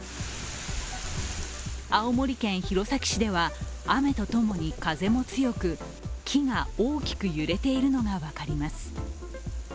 青森県弘前市では雨と共に風も強く木が大きく揺れているのが分かります。